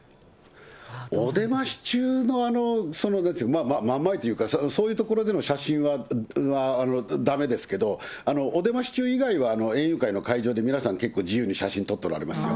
お出まし中の、真ん前というか、そういう所での写真はだめですけど、お出まし中以外は、園遊会の会場で皆さん、結構自由に写真撮っておられますよ。